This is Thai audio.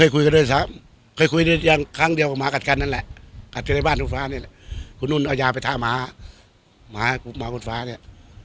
ก็ทั้งโน้นมาไม่ถามอะไรเลย